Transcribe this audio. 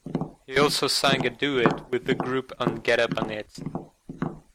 He also sang a duet with the group on Get Up On It.